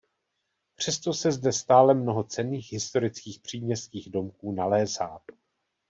Přesto se zde stále mnoho cenných historických příměstských domků nalézá.